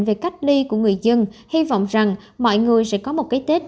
về cách ly của người dân hy vọng rằng mọi người sẽ có một cái tết